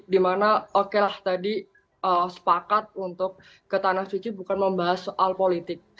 dimana okelah tadi sepakat untuk ke tanah suci bukan membahas soal politik